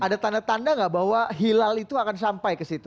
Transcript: ada tanda tanda nggak bahwa hilal itu akan sampai ke situ